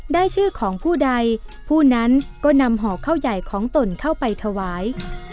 ได้ชื่อของผู้ใดผู้นั้นก็นำห่อข้าวใหญ่ของตนเข้าไปถวาย